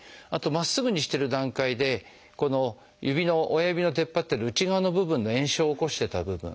あとまっすぐにしてる段階でこの指の親指の出っ張ってる内側の部分の炎症を起こしてた部分。